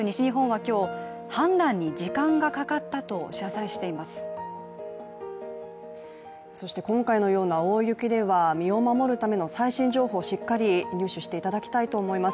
今回のような大雪では身を守るための最新情報をしっかり入手していただきたいと思います。